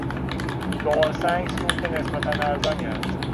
زغالسنگ سوخت نسبتا ارزانی است.